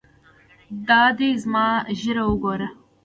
دا دى زما ږيره وګوره.